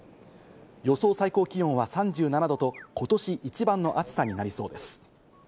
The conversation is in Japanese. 予想最高気温は３７度と今年一番の暑さになりそうです。